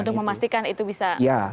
untuk memastikan itu bisa jadi gitu kan